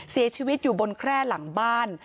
เสียชีวิตอยู่บนแคร่หลังบ้าน